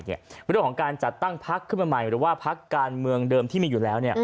เรื่องของการจัดตั้งพักขึ้นมาใหม่หรือว่าพักการเมืองเดิมที่มีอยู่แล้ว